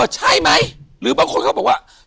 ใช่มั้ยหรือบางคนเขาบอกว่า